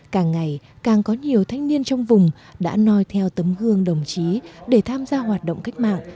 càng ngày càng có nhiều thanh niên trong vùng đã noi theo tấm gương đồng chí để tham gia hoạt động cách mạng